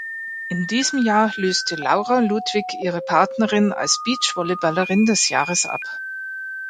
In diesem Jahr löste Laura Ludwig ihre Partnerin als Beachvolleyballerin des Jahres ab.